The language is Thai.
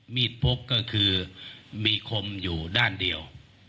พบก็คือมีคมอยู่ด้านเดียว